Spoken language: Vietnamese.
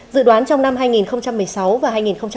dự đoán trong năm hai nghìn một mươi sáu và hai nghìn một mươi bảy